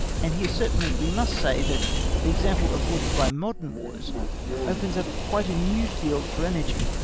And here certainly we must say that the example afforded by modern Wars opens up quite a new field for energy.